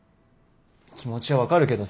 気持ちは分かるけど。